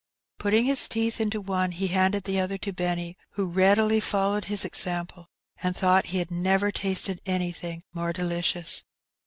Putting his teeth into one, he handed the other to Benny, who readily followed his example, and thought he had never tasted anything more delicious.